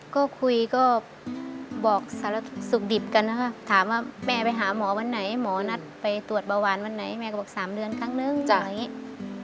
ก็คุยก็บอกสารสุขดิบกันนะคะถามว่าแม่ไปหาหมอวันไหนหมอนัดไปตรวจเบาหวานวันไหนแม่ก็บอก๓เดือนครั้งนึงจากอย่างนี้